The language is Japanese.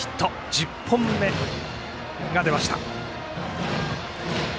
１０本目が出ました。